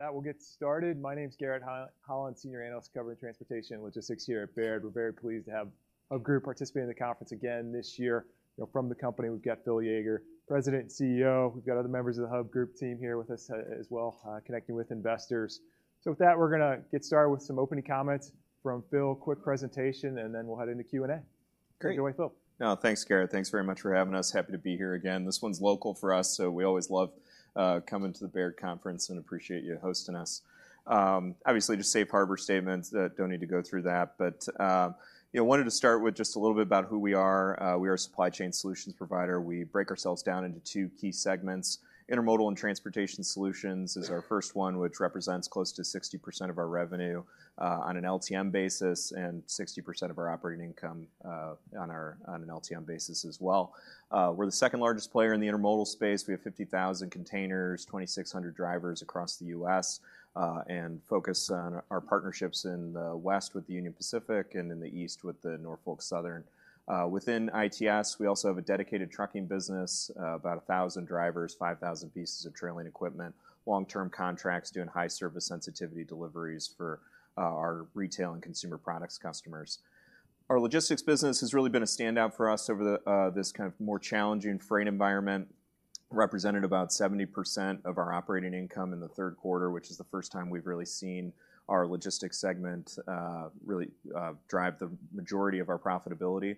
I will get started. My name is Garrett Holland, Senior Analyst covering Transportation and Logistics here at Baird. We're very pleased to have a group participate in the conference again this year. You know, from the company, we've got Phil Yeager, President and CEO. We've got other members of the Hub Group team here with us as well, connecting with investors. So with that, we're going to get started with some opening comments from Phil, quick presentation, and then we'll head into Q&A. Great. Take it away, Phil. Thanks, Garrett. Thanks very much for having us. Happy to be here again. This one's local for us, so we always love coming to the Baird conference and appreciate you hosting us. Obviously, just Safe Harbor statements don't need to go through that, but you know, wanted to start with just a little bit about who we are. We are a supply chain solutions provider. We break ourselves down into two key Intermodal and Transportation Solutions is our first one, which represents close to 60% of our revenue on an LTM basis, and 60% of our operating income on an LTM basis as well. We're the second-largest player in the intermodal space. We have 50,000 containers, 2,600 drivers across the U.S., and focus on our partnerships in the West with the Union Pacific and in the East with the Norfolk Southern. Within ITS, we also have a dedicated trucking business, about 1,000 drivers, 5,000 pieces of trailing equipment, long-term contracts, doing high service sensitivity deliveries for our retail and consumer products customers. Our logistics business has really been a standout for us over the-this kind of more challenging freight environment, represented about 70% of our operating income in the third quarter, which is the first time we've really seen our logistics segment really drive the majority of our profitability.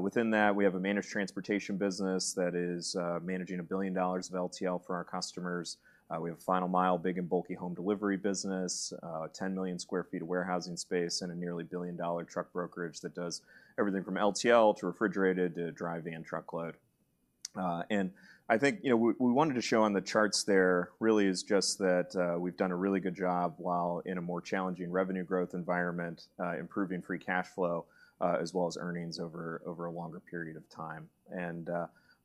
Within that, we have a managed transportation business that is managing $1 billion of LTL for our customers. We have a final mile, big and bulky home delivery business, 10 million sq ft of warehousing space, and a nearly $1 billion-dollar truck brokerage that does everything from LTL to refrigerated to dry van truckload. And I think, you know, we wanted to show on the charts there really is just that, we've done a really good job while in a more challenging revenue growth environment, improving free cash flow, as well as earnings over a longer period of time. And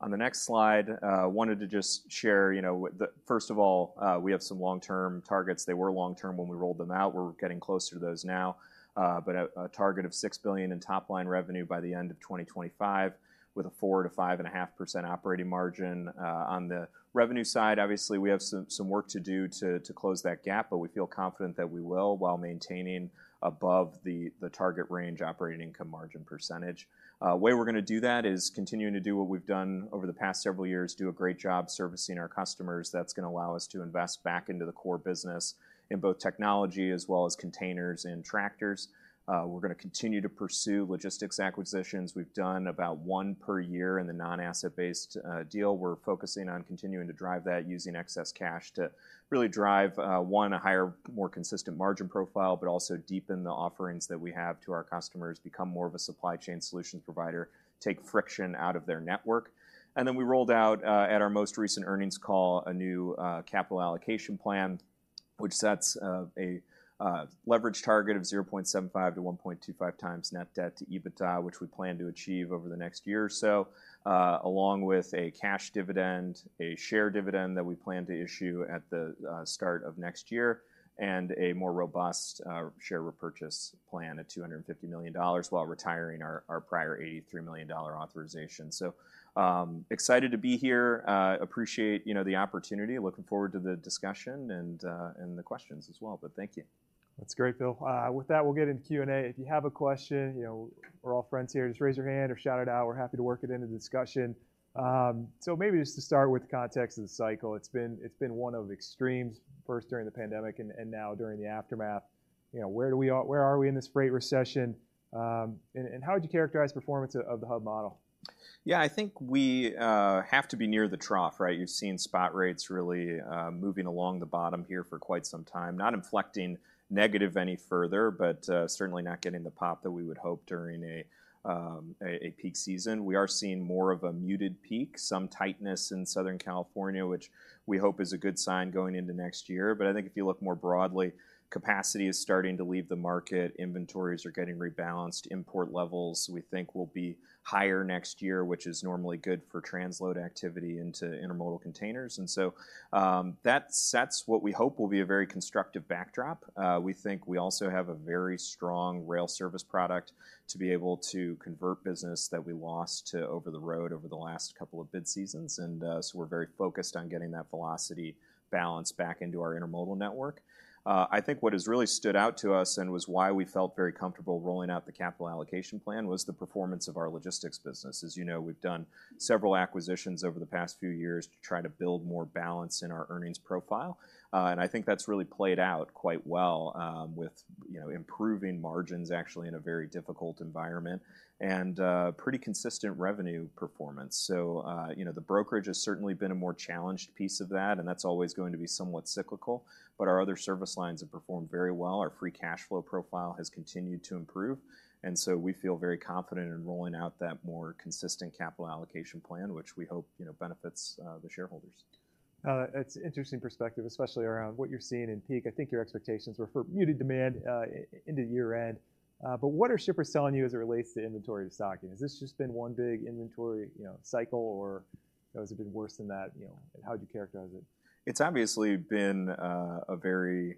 on the next slide, wanted to just share, you know, the... First of all, we have some long-term targets. They were long-term when we rolled them out. We're getting closer to those now, but a target of $6 billion in top-line revenue by the end of 2025, with a 4%-5.5% operating margin. On the revenue side, obviously, we have some work to do to close that gap, but we feel confident that we will, while maintaining above the target range operating income margin percentage. The way we're going to do that is continuing to do what we've done over the past several years, do a great job servicing our customers. That's going to allow us to invest back into the core business in both technology as well as containers and tractors. We're going to continue to pursue logistics acquisitions. We've done about one per year in the non-asset-based deal. We're focusing on continuing to drive that, using excess cash to really drive one, a higher, more consistent margin profile, but also deepen the offerings that we have to our customers, become more of a supply chain solutions provider, take friction out of their network and then we rolled out at our most recent earnings call, a new capital allocation plan, which sets a leverage target of 0.75x-1.25x net debt to EBITDA, which we plan to achieve over the next year or so, along with a cash dividend, a share dividend that we plan to issue at the start of next year, and a more robust share repurchase plan at $250 million while retiring our prior $83 million authorization. So, excited to be here. Appreciate, you know, the opportunity. Looking forward to the discussion and the questions as well, but thank you. That's great, Phil. With that, we'll get into Q&A. If you have a question, you know, we're all friends here. Just raise your hand or shout it out. We're happy to work it into the discussion. So maybe just to start with the context of the cycle, it's been one of extremes, first during the pandemic and now during the aftermath. You know, where are we in this freight recession, and how would you characterize performance of the Hub model? Yeah, I think we have to be near the trough, right? You've seen spot rates really moving along the bottom here for quite some time. Not inflecting negative any further, but certainly not getting the pop that we would hope during a peak season. We are seeing more of a muted peak, some tightness in Southern California, which we hope is a good sign going into next year. But I think if you look more broadly, capacity is starting to leave the market, inventories are getting rebalanced, import levels we think will be higher next year, which is normally good for transload activity into intermodal containers. And so, that sets what we hope will be a very constructive backdrop. We think we also have a very strong rail service product to be able to convert business that we lost to over-the-road over the last couple of bid seasons, and so we're very focused on getting that velocity balance back into our intermodal network. I think what has really stood out to us and was why we felt very comfortable rolling out the capital allocation plan was the performance of our logistics business. As you know, we've done several acquisitions over the past few years to try to build more balance in our earnings profile. I think that's really played out quite well, with you know, improving margins actually in a very difficult environment and pretty consistent revenue performance. So, you know, the brokerage has certainly been a more challenged piece of that, and that's always going to be somewhat cyclical, but our other service lines have performed very well. Our free cash flow profile has continued to improve, and so we feel very confident in rolling out that more consistent capital allocation plan, which we hope, you know, benefits, the shareholders. It's an interesting perspective, especially around what you're seeing in peak. I think your expectations were for muted demand into year-end. But what are shippers telling you as it relates to inventory stocking? Has this just been one big inventory, you know, cycle, or has it been worse than that? You know, and how would you characterize it? It's obviously been a very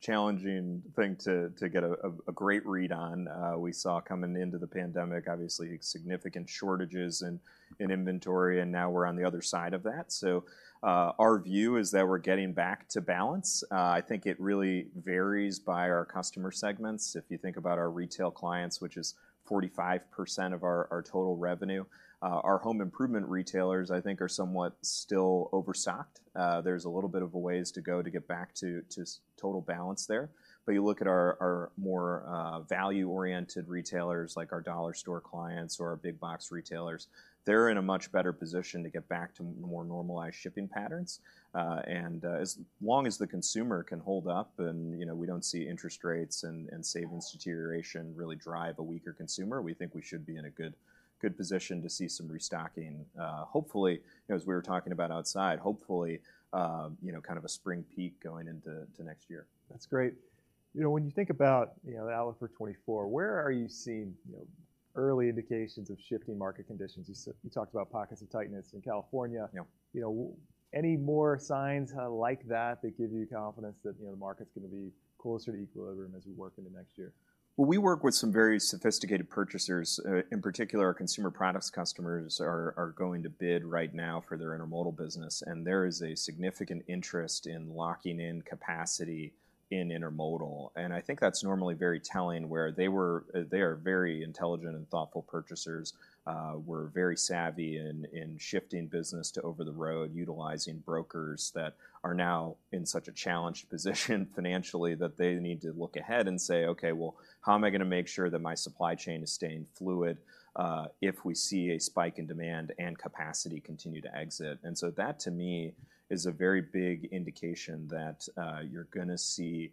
challenging thing to get a great read on. We saw coming into the pandemic, obviously, significant shortages in inventory, and now we're on the other side of that. So, our view is that we're getting back to balance. I think it really varies by our customer segments. If you think about our retail clients, which is 45% of our total revenue, our home improvement retailers, I think, are somewhat still overstocked. There's a little bit of a ways to go to get back to total balance there. But you look at our more value-oriented retailers, like our dollar store clients or our big box retailers, they're in a much better position to get back to more normalized shipping patterns. As long as the consumer can hold up, and, you know, we don't see interest rates and, and savings deterioration really drive a weaker consumer, we think we should be in a good position to see some restocking. Hopefully, you know, as we were talking about outside, hopefully, you know, kind of a spring peak going in to next year. That's great. You know, when you think about, you know, the outlook for 2024, where are you seeing, you know, early indications of shifting market conditions? You talked about pockets of tightness in California. Yep. You know, any more signs like that that give you confidence that, you know, the market's going to be closer to equilibrium as we work into next year? Well, we work with some very sophisticated purchasers. In particular, our consumer products customers are going to bid right now for their intermodal business, and there is a significant interest in locking in capacity in intermodal, and I think that's normally very telling, where they are very intelligent and thoughtful purchasers, were very savvy in shifting business to over-the-road, utilizing brokers that are now in such a challenged position financially, that they need to look ahead and say, "Okay, well, how am I going to make sure that my supply chain is staying fluid, if we see a spike in demand and capacity continue to exit?" And so that, to me, is a very big indication that you're going to see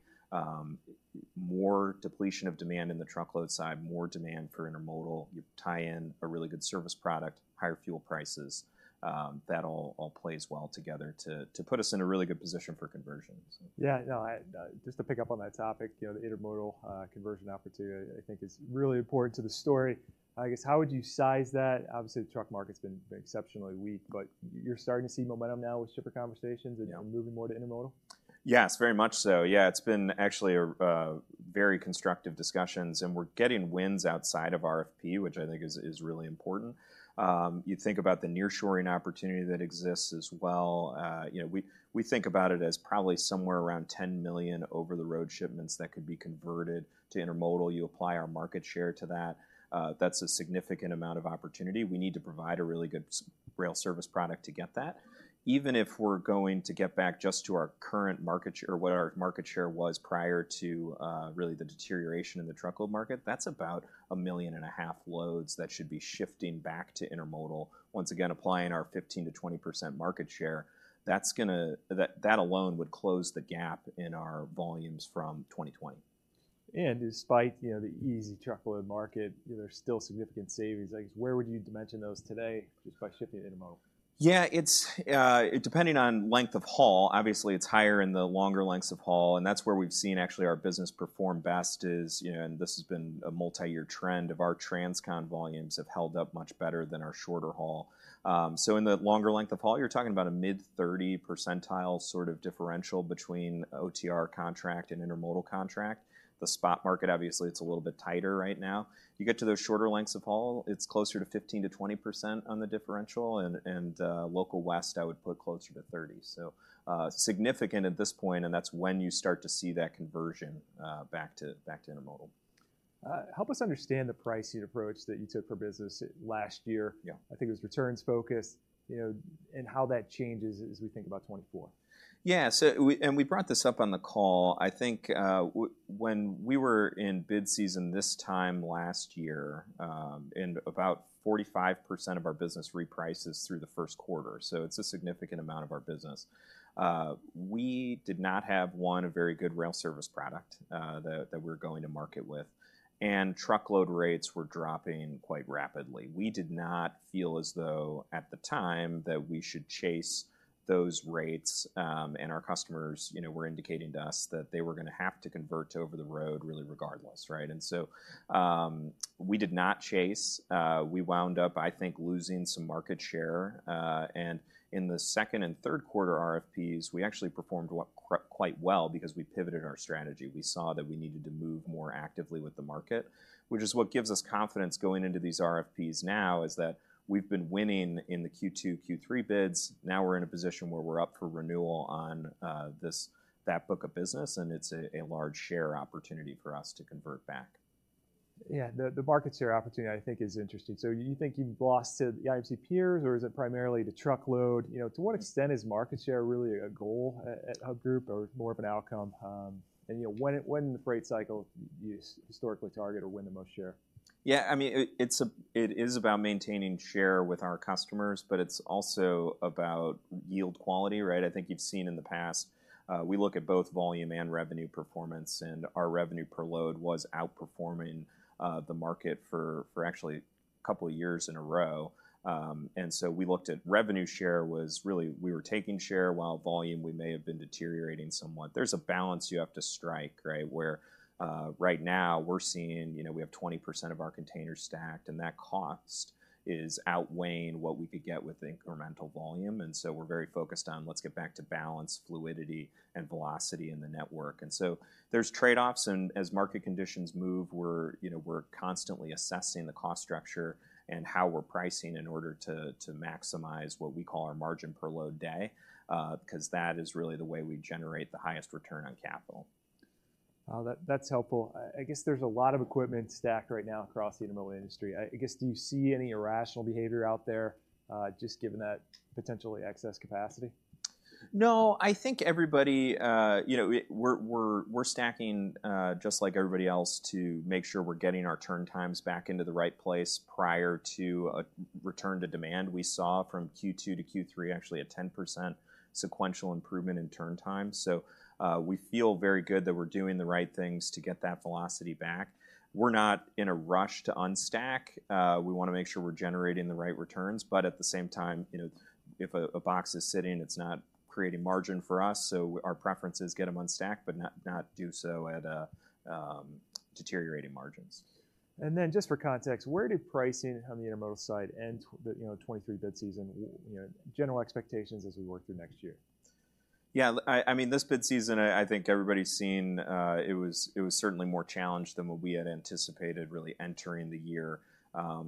more depletion of demand in the truckload side, more demand for intermodal. You tie in a really good service product, higher fuel prices, that all plays well together to put us in a really good position for conversions. Yeah, no, just to pick up on that topic, you know, the intermodal conversion opportunity, I think, is really important to the story. I guess, how would you size that? Obviously, the truck market's been exceptionally weak, but you're starting to see momentum now with shipper conversations- Yeah. - and moving more to intermodal? Yes, very much so. Yeah, it's been actually a very constructive discussions, and we're getting wins outside of RFP, which I think is really important. You think about the nearshoring opportunity that exists as well. You know, we think about it as probably somewhere around 10 million over-the-road shipments that could be converted to intermodal. You apply our market share to that, that's a significant amount of opportunity. We need to provide a really good rail service product to get that. Even if we're going to get back just to our current market share, or what our market share was prior to really the deterioration in the truckload market, that's about 1.5 million loads that should be shifting back to intermodal. Once again, applying our 15%-20% market share, that's going to... that alone would close the gap in our volumes from 2020. Despite, you know, the easy truckload market, there's still significant savings. Like, where would you dimension those today just by shifting to intermodal? Yeah, it's depending on length of haul, obviously, it's higher in the longer lengths of haul, and that's where we've seen actually our business perform best is, you know, and this has been a multi-year trend of our transcon volumes have held up much better than our shorter haul. So, in the longer length of haul, you're talking about a mid-30 percentile sort of differential between OTR contract and intermodal contract. The spot market, obviously, it's a little bit tighter right now. You get to those shorter lengths of haul, it's closer to 15%-20% on the differential, and local West, I would put closer to 30%. So, significant at this point, and that's when you start to see that conversion back to intermodal. Help us understand the pricing approach that you took for business last year? Yeah. I think it was returns focused, you know, and how that changes as we think about 2024. Yeah, so we brought this up on the call. I think, when we were in bid season this time last year, and about 45% of our business reprices through the first quarter, so it's a significant amount of our business. We did not have, one, a very good rail service product, that we were going to market with, and truckload rates were dropping quite rapidly. We did not feel as though, at the time, that we should chase those rates, and our customers, you know, were indicating to us that they were going to have to convert to over the road really regardless, right? And so, we did not chase. We wound up, I think, losing some market share, and in the second and third quarter RFPs, we actually performed quite well because we pivoted our strategy. We saw that we needed to move more actively with the market, which is what gives us confidence going into these RFPs now, is that we've been winning in the Q2, Q3 bids. Now we're in a position where we're up for renewal on this, that book of business, and it's a large share opportunity for us to convert back. Yeah, the market share opportunity, I think, is interesting. So, you think you've lost to the IMC peers, or is it primarily to truckload? You know, to what extent is market share really a goal at Hub Group or more of an outcome? And, you know, when in the freight cycle do you historically target or win the most share? Yeah, I mean, it's about maintaining share with our customers, but it's also about yield quality, right? I think you've seen in the past, we look at both volume and revenue performance, and our revenue per load was outperforming the market for actually a couple of years in a row. And so, we looked at revenue share was really we were taking share, while volume, we may have been deteriorating somewhat. There's a balance you have to strike, right? Where right now, we're seeing, you know, we have 20% of our containers stacked, and that cost is outweighing what we could get with incremental volume, and so we're very focused on let's get back to balance, fluidity, and velocity in the network. So there's trade-offs, and as market conditions move, we're, you know, constantly assessing the cost structure and how we're pricing in order to maximize what we call our margin per load day, because that is really the way we generate the highest return on capital. That's helpful. I guess there's a lot of equipment stacked right now across the intermodal industry. I guess, do you see any irrational behavior out there, just given that potentially excess capacity? No, I think everybody, you know, we're stacking just like everybody else to make sure we're getting our turn times back into the right place prior to a return to demand. We saw from Q2 to Q3, actually, a 10% sequential improvement in turn times. So, we feel very good that we're doing the right things to get that velocity back. We're not in a rush to unstack. We want to make sure we're generating the right returns, but at the same time, you know, if a box is sitting, it's not creating margin for us, so our preference is get them unstacked, but not do so at deteriorating margins. And then just for context, where did pricing on the intermodal side end the, you know, 2023 bid season? You know, general expectations as we work through next year. Yeah, I mean, this bid season, I think everybody's seen, it was certainly more challenged than what we had anticipated, really entering the year.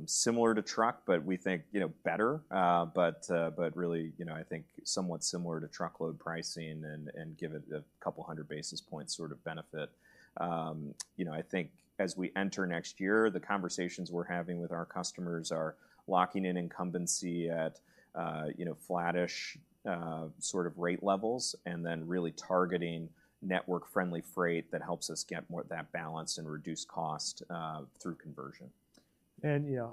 Similar to truck, but we think, you know, better. But really, you know, I think somewhat similar to truckload pricing and give it 200 basis points sort of benefit. You know, I think as we enter next year, the conversations we're having with our customers are locking in incumbency at, you know, flattish, sort of rate levels and then really targeting network-friendly freight that helps us get more of that balance and reduce cost, through conversion. Yeah, yeah,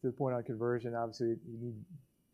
to the point about conversion, obviously, you need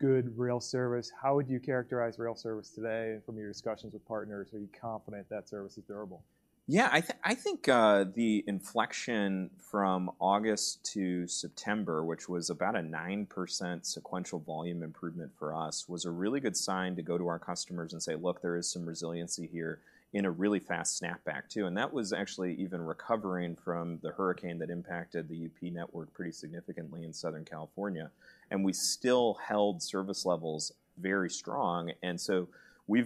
good rail service. How would you characterize rail service today from your discussions with partners? Are you confident that service is durable? Yeah, I think the inflection from August to September, which was about a 9% sequential volume improvement for us, was a really good sign to go to our customers and say: Look, there is some resiliency here in a really fast snapback, too. And that was actually even recovering from the hurricane that impacted the UP network pretty significantly in Southern California, and we still held service levels very strong. And so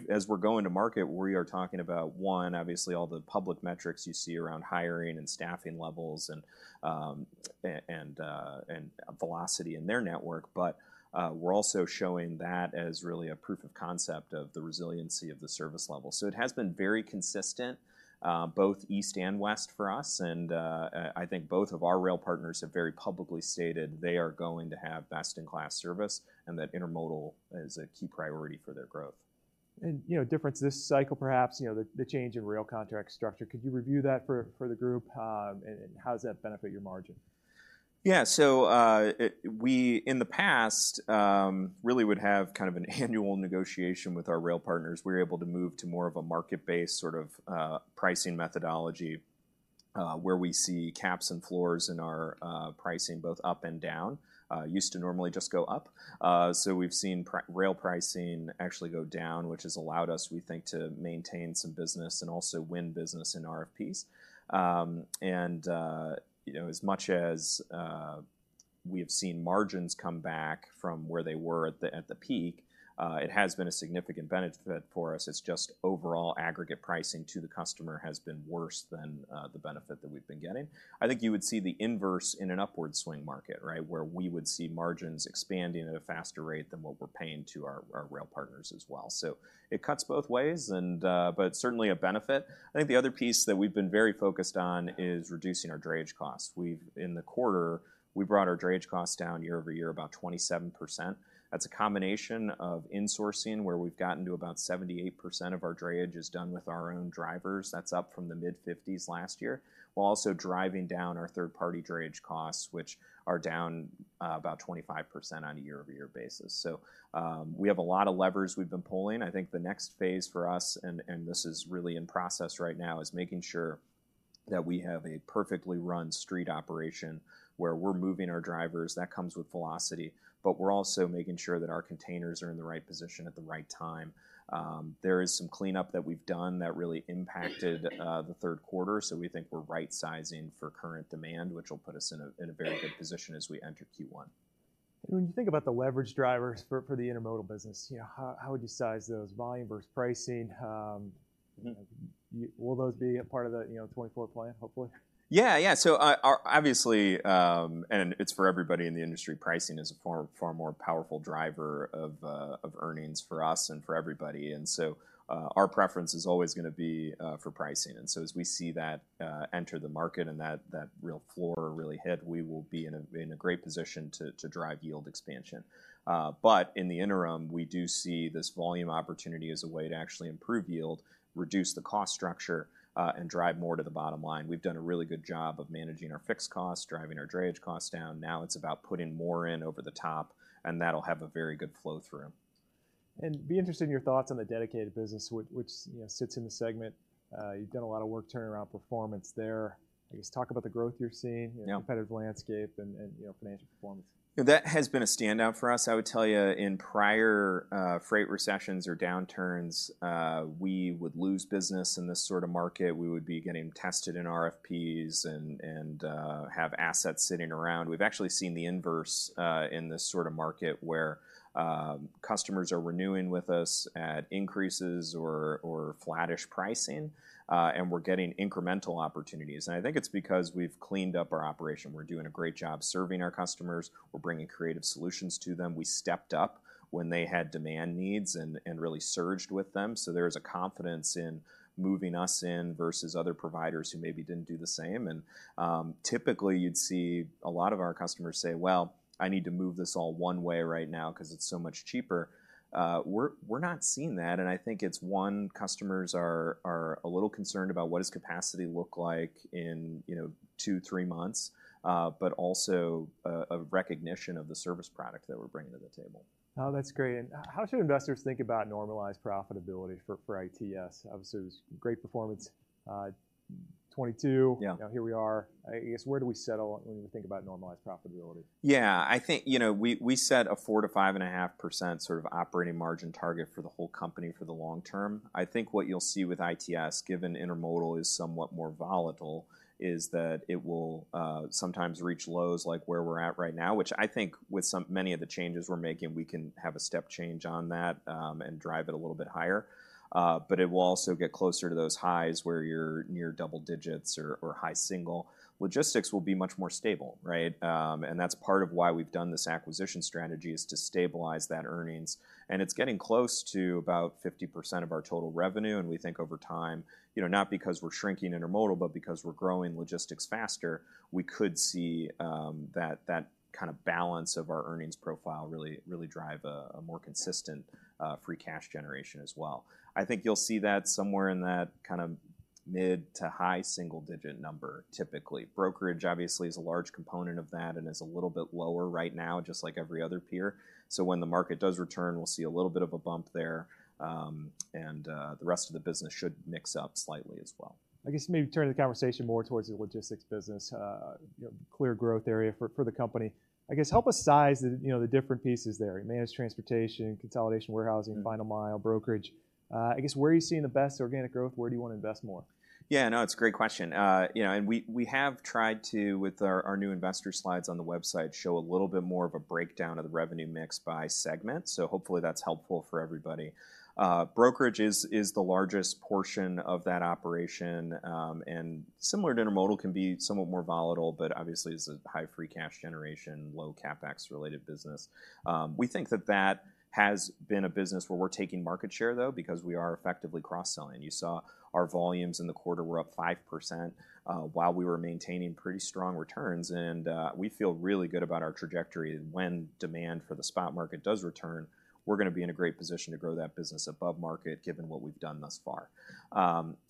as we're going to market, we are talking about, one, obviously all the public metrics you see around hiring and staffing levels and, and velocity in their network. But, we're also showing that as really a proof of concept of the resiliency of the service level. So it has been very consistent, both east and west for us, and, I think both of our rail partners have very publicly stated they are going to have best-in-class service and that intermodal is a key priority for their growth. You know, difference this cycle, perhaps, you know, the change in rail contract structure. Could you review that for the group? And how does that benefit your margin? Yeah. So, it- we, in the past, really would have kind of an annual negotiation with our rail partners. We're able to move to more of a market-based sort of, pricing methodology, where we see caps and floors in our, pricing, both up and down. Used to normally just go up. So we've seen rail pricing actually go down, which has allowed us, we think, to maintain some business and also win business in RFPs. And, you know, as much as, we have seen margins come back from where they were at the peak, it has been a significant benefit for us. It's just overall aggregate pricing to the customer has been worse than, the benefit that we've been getting. I think you would see the inverse in an upward swing market, right? Where we would see margins expanding at a faster rate than what we're paying to our, our rail partners as well. So it cuts both ways, and, but certainly a benefit. I think the other piece that we've been very focused on is reducing our drayage costs. We've, in the quarter, we brought our drayage costs down year-over-year, about 27%. That's a combination of insourcing, where we've gotten to about 78% of our drayage is done with our own drivers. That's up from the mid-50s last year, while also driving down our third-party drayage costs, which are down, about 25% on a year-over-year basis. So, we have a lot of levers we've been pulling. I think the next phase for us, and, and this is really in process right now, is making sure that we have a perfectly run street operation, where we're moving our drivers. That comes with velocity, but we're also making sure that our containers are in the right position at the right time. There is some cleanup that we've done that really impacted the third quarter, so we think we're right sizing for current demand, which will put us in a very good position as we enter Q1. When you think about the leverage drivers for the intermodal business, you know, how would you size those, volume versus pricing? Will those be a part of the, you know, 2024 plan, hopefully? Yeah, yeah. So, obviously, and it's for everybody in the industry, pricing is a far more powerful driver of earnings for us and for everybody. And so, our preference is always going to be for pricing. And so, as we see that enter the market and that real floor really hit, we will be in a great position to drive yield expansion. But in the interim, we do see this volume opportunity as a way to actually improve yield, reduce the cost structure, and drive more to the bottom line. We've done a really good job of managing our fixed costs, driving our drayage costs down. Now it's about putting more in over the top, and that'll have a very good flow-through. And be interested in your thoughts on the dedicated business, which, you know, sits in the segment. You've done a lot of work turning around performance there. Can you just talk about the growth you're seeing- Yeah.... and the competitive landscape and, you know, financial performance? That has been a standout for us. I would tell you, in prior freight recessions or downturns, we would lose business in this sort of market. We would be getting tested in RFPs and have assets sitting around. We've actually seen the inverse, in this sort of market where customers are renewing with us at increases or flattish pricing, and we're getting incremental opportunities, and I think it's because we've cleaned up our operation. We're doing a great job serving our customers. We're bringing creative solutions to them. We stepped up when they had demand needs and really surged with them. So, there's a confidence in moving us in versus other providers who maybe didn't do the same. Typically, you'd see a lot of our customers say, "Well, I need to move this all one way right now because it's so much cheaper." We're not seeing that, and I think it's, one, customers are a little concerned about what does capacity look like in, you know, two, three months, but also a recognition of the service product that we're bringing to the table. Oh, that's great. And how should investors think about normalized profitability for ITS? Obviously, it was great performance, 2022. Yeah. Now, here we are. I guess, where do we settle when we think about normalized profitability? Yeah, I think, you know, we set a 4%-5.5% sort of operating margin target for the whole company for the long term. I think what you'll see with ITS, given intermodal is somewhat more volatile, is that it will sometimes reach lows like where we're at right now, which I think with many of the changes we're making, we can have a step change on that, and drive it a little bit higher. But it will also get closer to those highs where you're near double digits or high single. Logistics will be much more stable, right? And that's part of why we've done this acquisition strategy is to stabilize that earnings. It's getting close to about 50% of our total revenue, and we think over time, you know, not because we're shrinking intermodal, but because we're growing logistics faster, we could see that kind of balance of our earnings profile really drive a more consistent free cash generation as well. I think you'll see that somewhere in that kind of mid- to high single-digit number, typically. Brokerage, obviously, is a large component of that and is a little bit lower right now, just like every other peer. So when the market does return, we'll see a little bit of a bump there, and the rest of the business should mix up slightly as well. I guess maybe turning the conversation more towards the logistics business, you know, clear growth area for the company. I guess, help us size the, you know, the different pieces there, managed transportation, consolidation, warehousing-final mile, brokerage. I guess, where are you seeing the best organic growth? Where do you want to invest more? Yeah, no, it's a great question. You know, and we have tried to, with our new investor slides on the website, show a little bit more of a breakdown of the revenue mix by segment, so hopefully that's helpful for everybody. Brokerage is the largest portion of that operation, and similar to intermodal, can be somewhat more volatile, but obviously is a high free cash generation, low CapEx-related business. We think that has been a business where we're taking market share, though, because we are effectively cross-selling. You saw our volumes in the quarter were up 5%, while we were maintaining pretty strong returns, and we feel really good about our trajectory. When demand for the spot market does return, we're going to be in a great position to grow that business above market, given what we've done thus far.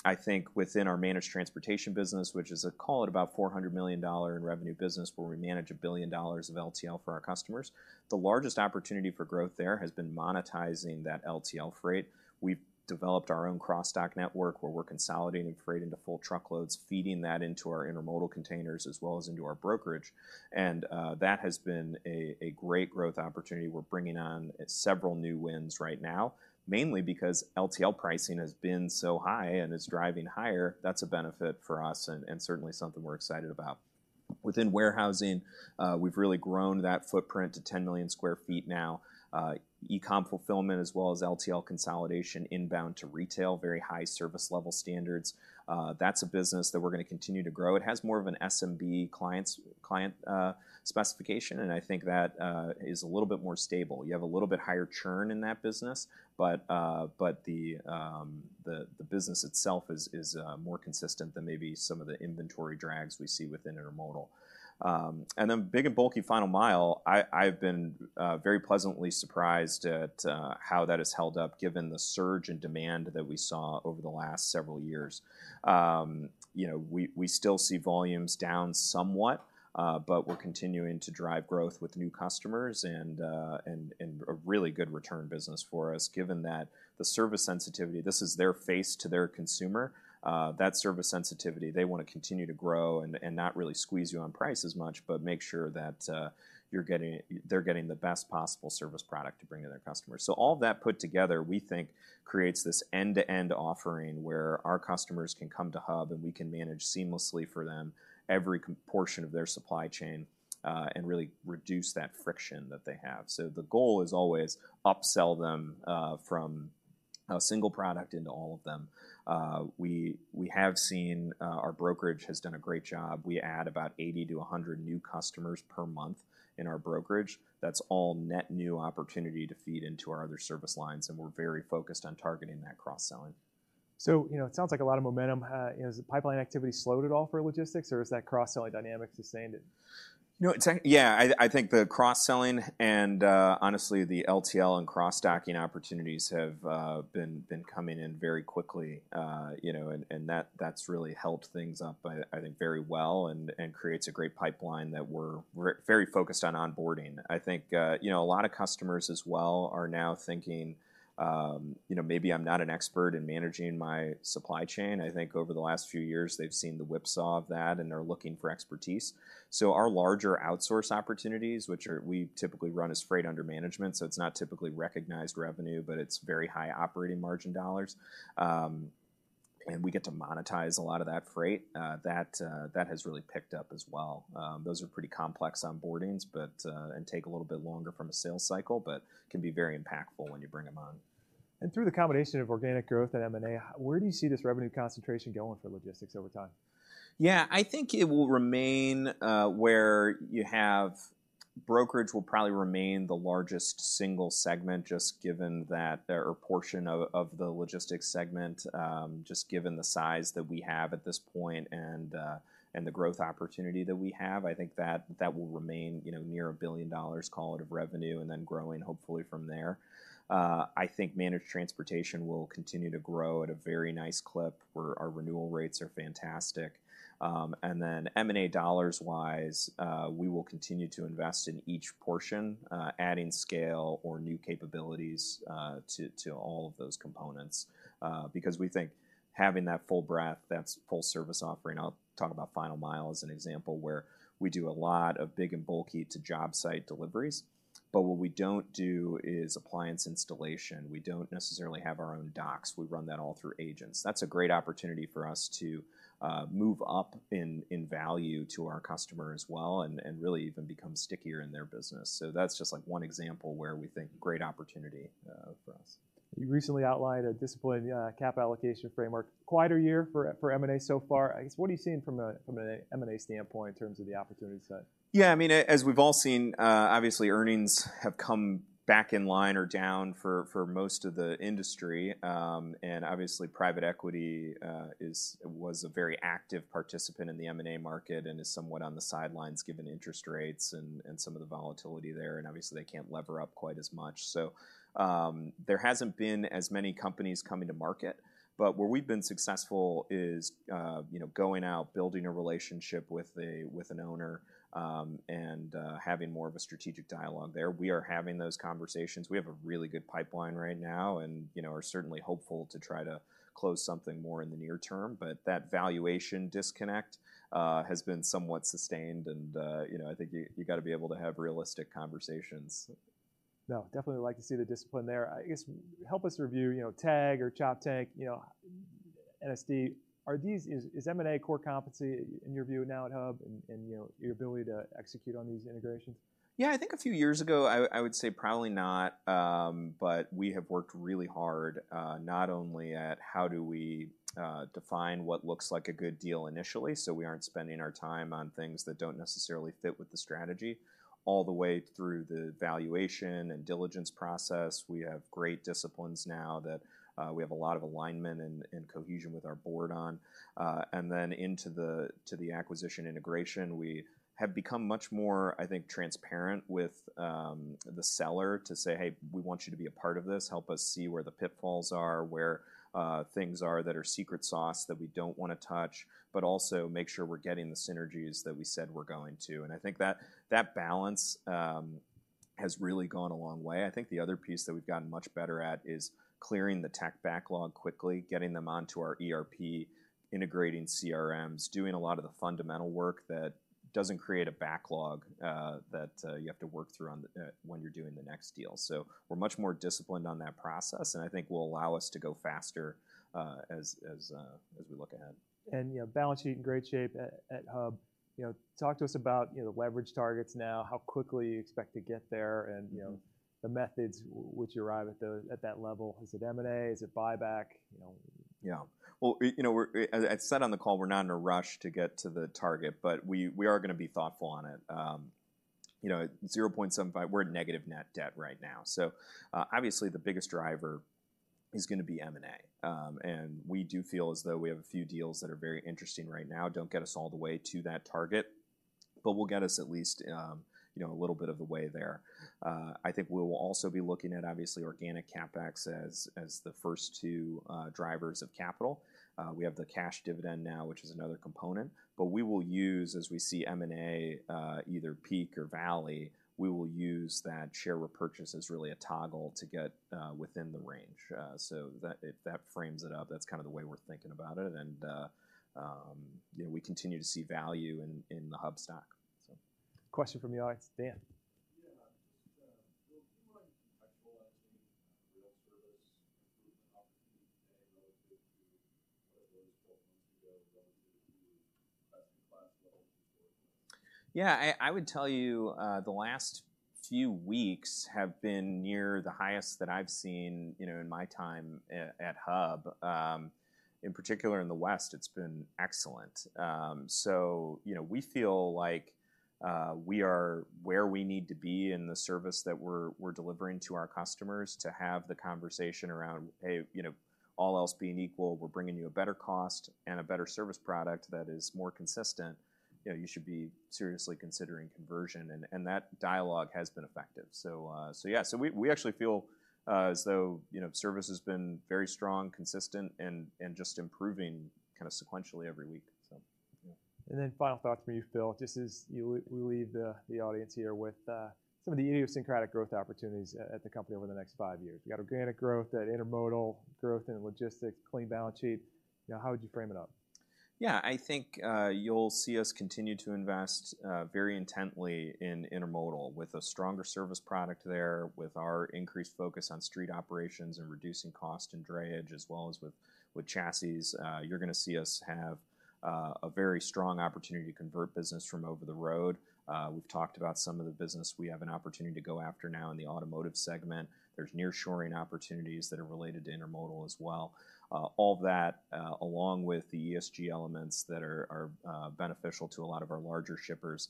I think within our managed transportation business, which is a call at about $400 million in revenue business, where we manage $1 billion of LTL for our customers, the largest opportunity for growth there has been monetizing that LTL freight. We've developed our own cross-dock network, where we're consolidating freight into full truckloads, feeding that into our intermodal containers, as well as into our brokerage, and that has been a great growth opportunity. We're bringing on several new wins right now, mainly because LTL pricing has been so high and is driving higher. That's a benefit for us and certainly something we're excited about. Within warehousing, we've really grown that footprint to 10 million sq ft now. E-com fulfillment, as well as LTL consolidation inbound to retail, very high service level standards. That's a business that we're going to continue to grow. It has more of an SMB client, specification, and I think that is a little bit more stable. You have a little bit higher churn in that business, but the business itself is more consistent than maybe some of the inventory drags we see within intermodal. And then big and bulky final mile, I've been very pleasantly surprised at how that has held up, given the surge in demand that we saw over the last several years. You know, we still see volumes down somewhat, but we're continuing to drive growth with new customers and a really good return business for us, given that the service sensitivity, this is their face to their consumer. That service sensitivity, they want to continue to grow and not really squeeze you on price as much but make sure that you're getting—they're getting the best possible service product to bring to their customers. So all that put together, we think, creates this end-to-end offering where our customers can come to Hub, and we can manage seamlessly for them every component of their supply chain, and really reduce that friction that they have. So the goal is always upsell them from a single product into all of them. We have seen our brokerage has done a great job. We add about 80-100 new customers per month in our brokerage. That's all net new opportunity to feed into our other service lines, and we're very focused on targeting that cross-selling. You know, it sounds like a lot of momentum. Has the pipeline activity slowed at all for logistics, or is that cross-selling dynamic sustained it? You know, I think the cross-selling and, honestly, the LTL and cross-docking opportunities have been coming in very quickly. You know, and that that's really helped things up, I think, very well and creates a great pipeline that we're very focused on onboarding. I think, you know, a lot of customers as well are now thinking, you know, "Maybe I'm not an expert in managing my supply chain." I think over the last few years they've seen the whipsaw of that, and they're looking for expertise. So, our larger outsource opportunities, which are we typically run as freight under management, so it's not typically recognized revenue, but it's very high operating margin dollars and we get to monetize a lot of that freight. That has really picked up as well. Those are pretty complex onboardings, but take a little bit longer from a sales cycle, but can be very impactful when you bring them on. Through the combination of organic growth and M&A, where do you see this revenue concentration going for logistics over time? Yeah, I think it will remain where you have... brokerage will probably remain the largest single segment, just given that there are a portion of the logistics segment, just given the size that we have at this point and the growth opportunity that we have. I think that will remain, you know, near $1 billion, call it, of revenue, and then growing, hopefully, from there. I think managed transportation will continue to grow at a very nice clip, where our renewal rates are fantastic. Then M&A dollars-wise, we will continue to invest in each portion, adding scale or new capabilities to all of those components. Because we think having that full breadth, that full service offering, I'll talk about final mile as an example, where we do a lot of big and bulky to job site deliveries. But what we don't do is appliance installation. We don't necessarily have our own docks. We run that all through agents. That's a great opportunity for us to move up in value to our customer as well and really even become stickier in their business. So that's just, like, one example where we think great opportunity for us. You recently outlined a disciplined cap allocation framework. Quieter year for M&A so far. I guess, what are you seeing from an M&A standpoint in terms of the opportunity set? Yeah, I mean, as we've all seen, obviously, earnings have come back in line or down for most of the industry. And obviously, private equity was a very active participant in the M&A market and is somewhat on the sidelines, given interest rates and some of the volatility there, and obviously, they can't lever up quite as much. So, there hasn't been as many companies coming to market, but where we've been successful is, you know, going out, building a relationship with a, with an owner, and having more of a strategic dialogue there. We are having those conversations. We have a really good pipeline right now and, you know, are certainly hopeful to try to close something more in the near term. But that valuation disconnect has been somewhat sustained, and you know, I think you got to be able to have realistic conversations. No, definitely like to see the discipline there. I guess, help us review, you know, TAGG or Choptank, you know, NSD. Are these- Is M&A core competency in your view now at Hub, and you know, your ability to execute on these integrations? Yeah, I think a few years ago, I would say probably not. But we have worked really hard, not only at how do we define what looks like a good deal initially, so we aren't spending our time on things that don't necessarily fit with the strategy, all the way through the valuation and diligence process. We have great disciplines now that we have a lot of alignment and cohesion with our board on. And then into the acquisition integration, we have become much more, I think, transparent with the seller to say, "Hey, we want you to be a part of this. Help us see where the pitfalls are where things are that are secret sauce that we don't want to touch, but also make sure we're getting the synergies that we said we're going to." And I think that balance has really gone a long way. I think the other piece that we've gotten much better at is clearing the tech backlog quickly, getting them onto our ERP, integrating CRMs, doing a lot of the fundamental work that doesn't create a backlog that you have to work through when you're doing the next deal. So we're much more disciplined on that process, and I think will allow us to go faster as we look ahead. You know, balance sheet in great shape at Hub. You know, talk to us about, you know, leverage targets now, how quickly you expect to get there, and, you know- Mm-hmm... the methods which arrive at that level. Is it M&A? Is it buyback? You know. Yeah. Well, you know, we're, as said on the call, we're not in a rush to get to the target, but we are going to be thoughtful on it. You know, at 0.75, we're at negative net debt right now, so obviously, the biggest driver is going to be M&A. And we do feel as though we have a few deals that are very interesting right now. Don't get us all the way to that target, but will get us at least, you know, a little bit of the way there. I think we will also be looking at, obviously, organic CapEx as the first two drivers of capital. We have the cash dividend now, which is another component, but we will use, as we see M&A, either peak or valley, we will use that share repurchase as really a toggle to get within the range. So that, if that frames it up, that's kind of the way we're thinking about it. And, you know, we continue to see value in the Hub stock. So... Question from the audience. Dan? Yeah, just, do you mind contextualizing rail service improvement opportunities that are relevant to what it was? Yeah, I would tell you, the last few weeks have been near the highest that I've seen, you know, in my time at HUB. In particular, in the West, it's been excellent. So, you know, we feel like, we are where we need to be in the service that we're delivering to our customers to have the conversation around, "Hey, you know, all else being equal, we're bringing you a better cost and a better service product that is more consistent. You know, you should be seriously considering conversion." And that dialogue has been effective. So, yeah, so we actually feel, as though, you know, service has been very strong, consistent, and just improving kind of sequentially every week. So, yeah. And then final thoughts from you, Phil. Just as we leave the audience here with some of the idiosyncratic growth opportunities at the company over the next five years. You've got organic growth, that intermodal growth in logistics, clean balance sheet. You know, how would you frame it up? Yeah, I think, you'll see us continue to invest, very intently in intermodal with a stronger service product there, with our increased focus on street operations and reducing cost and drayage, as well as with chassis. You're going to see us have, a very strong opportunity to convert business from over the road. We've talked about some of the business we have an opportunity to go after now in the automotive segment. There's nearshoring opportunities that are related to intermodal as well. All that, along with the ESG elements that are beneficial to a lot of our larger shippers,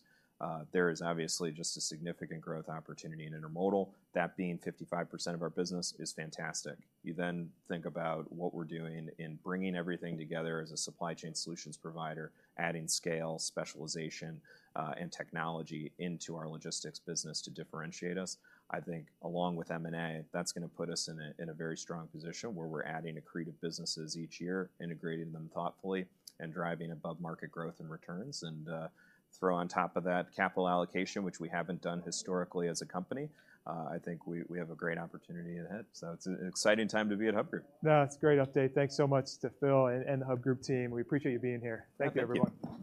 there is obviously just a significant growth opportunity in intermodal. That being 55% of our business is fantastic. You then think about what we're doing in bringing everything together as a supply chain solutions provider, adding scale, specialization, and technology into our logistics business to differentiate us. I think along with M&A, that's going to put us in a very strong position where we're adding accretive businesses each year, integrating them thoughtfully and driving above-market growth and returns. And throw on top of that capital allocation, which we haven't done historically as a company, I think we have a great opportunity ahead. So it's an exciting time to be at Hub Group. No, it's a great update. Thanks so much to Phil and the Hub Group team. We appreciate you being here. Okay, thank you. Thank you, everyone.